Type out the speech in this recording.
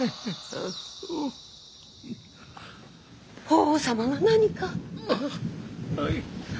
法皇様が何か。